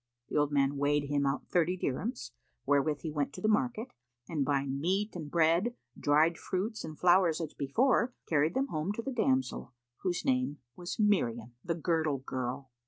The old man weighed him out thirty dirhams, wherewith he went to the market and buying meat and bread, dried fruits, and flowers as before, carried them home to the damsel whose name was Miriam,[FN#486] the Girdle girl.